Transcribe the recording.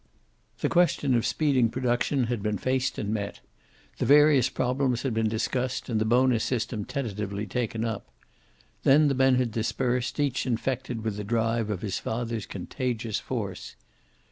The question of speeding production had been faced and met. The various problems had been discussed and the bonus system tentatively taken up. Then the men had dispersed, each infected with the drive of his father's contagious force.